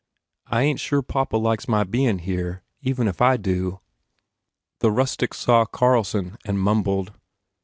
I ain t sure papa likes my bein here. Even if I do " The rustic saw Carlson and mumbled.